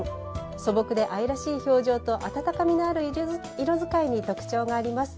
素朴で愛らしい表情と温かみのある色使いに特徴があります。